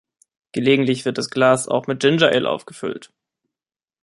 Gelegentlich wird das Glas auch mit Ginger Ale aufgefüllt.